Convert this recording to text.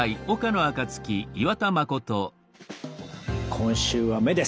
今週は「目」です。